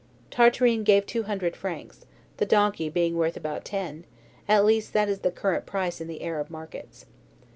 Tartarin gave two hundred francs, the donkey being worth about ten at least that is the current price in the Arab markets.